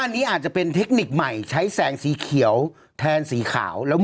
ก็ไปหาจากยี่ปัว